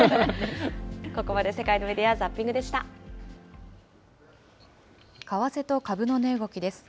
ここまで世界のメディア・ザッピングでした。